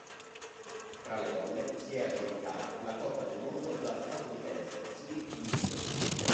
Tra le donne si è aggiudicata la coppa del mondo la statunitense Siri Lindley.